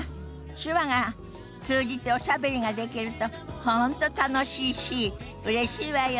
手話が通じておしゃべりができると本当楽しいしうれしいわよね。